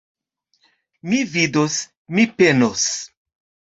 Mi vidos, mi penos.